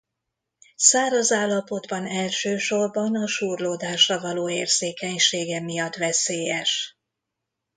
Száraz állapotban elsősorban a súrlódásra való érzékenysége miatt veszélyes.